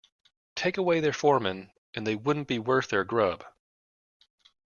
Take away their foreman and they wouldn't be worth their grub.